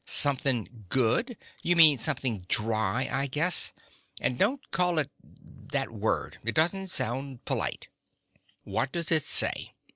"Something good? You mean something dry, I guess. And don't call it ... that word. It doesn't sound polite." "What does it say?